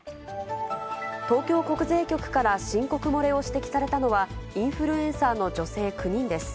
東京国税局から申告漏れを指摘されたのは、インフルエンサーの女性９人です。